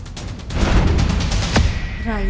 saya akan menangkapnya